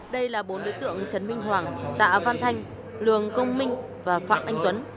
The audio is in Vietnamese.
đây là bốn đối tượng trần minh hoàng tạ văn thanh lường công minh và phạm anh tuấn